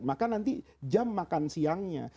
maka nanti jam makan siangnya